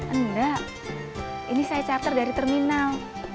enggak ini saya charter dari terminal